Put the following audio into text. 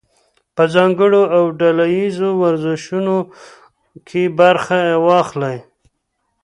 په ځانګړو او ډله ییزو ورزشونو کې برخه واخلئ.